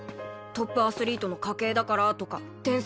トップアスリートの家系だからとか天才とか。